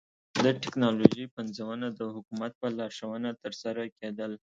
د ټکنالوژۍ پنځونه د حکومت په لارښوونه ترسره کېدل.